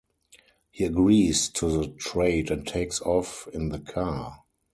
He agrees to the trade and takes off in the car.